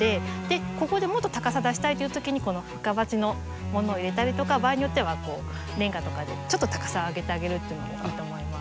ここでもっと高さ出したいというときにこの深鉢のものを入れたりとか場合によってはレンガとかでちょっと高さ上げてあげるというのもいいと思います。